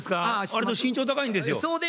わりと身長高いんですよ。